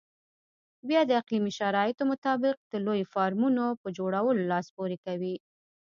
بیا د اقلیمي شرایطو مطابق د لویو فارمونو په جوړولو لاس پورې کوي.